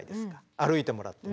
歩いてもらって。